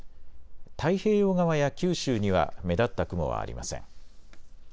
太平洋側や九州には目立った雲はありません。